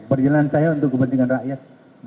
perjalanan saya untuk kepentingan rakyat